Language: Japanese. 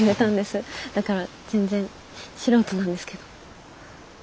だから全然素人なんですけど。